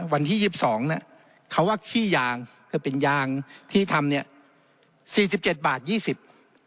วันที่ยี่สิบสองเนี้ยเขาว่าขี้ยางคือเป็นยางที่ทำเนี้ยสี่สิบเจ็ดบาทยี่สิบ